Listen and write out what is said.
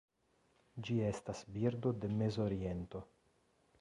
Ĝi estas birdo de Mezoriento.